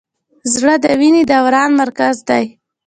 زړه د وینې دوران مرکز دی.